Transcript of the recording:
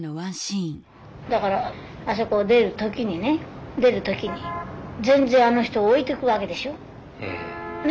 だからあそこを出る時にね出る時に全然あの人を置いていくわけでしょ。ね？